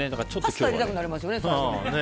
パスタ入れたくなりますよね。